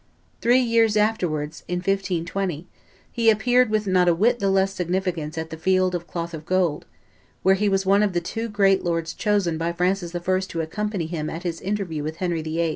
Three years afterwards, in 1520, he appeared with not a whit the less magnificence at the Field of Cloth of Gold, where he was one of the two great lords chosen by Francis I. to accompany him at his interview with Henry VIII.